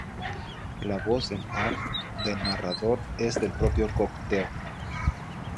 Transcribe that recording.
La voz en off del narrador es del propio Cocteau.